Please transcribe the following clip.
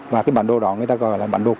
và cái bản đồ đó người ta gọi là bản đồ